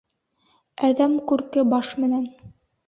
Әҙәм күрке баш менән.